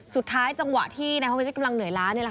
สุดท้ายจังหวะที่พวกมันกำลังเหนื่อยล้าน